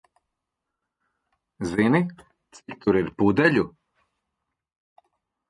Zini, cik tur ir pudeļu?